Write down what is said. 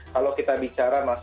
kalau kita bicara maksudnya